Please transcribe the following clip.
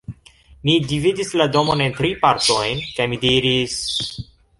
Ni dividis la domon en tri partojn, kaj mi diris: